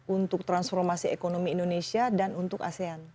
untuk transformasi ekonomi indonesia dan untuk asean